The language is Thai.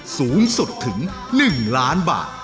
สูงสุดถึง๑ล้านบาท